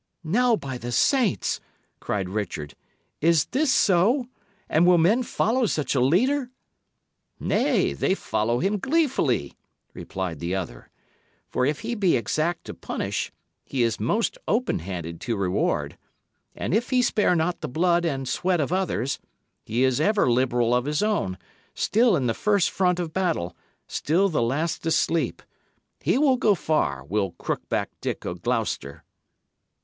"Now, by the saints!" cried Richard, "is this so? And will men follow such a leader?" "Nay, they follow him gleefully," replied the other; "for if he be exact to punish, he is most open handed to reward. And if he spare not the blood and sweat of others, he is ever liberal of his own, still in the first front of battle, still the last to sleep. He will go far, will Crookback Dick o' Gloucester!"